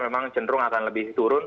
memang cenderung akan lebih turun